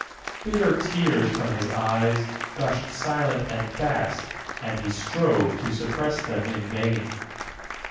Bitter tears, from his eyes, gushed silent and fast; And he strove to suppress them in vain.